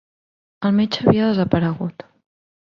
El metge havia desaparegut